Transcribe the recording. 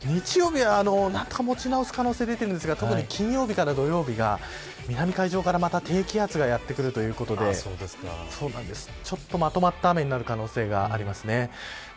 ここのタイミングが日曜日は何とか持ち直す可能性が出てるんですが特に金曜日から土曜日が南海上からまた低気圧がやってくるということでちょっとまとまった雨になる可能性があります。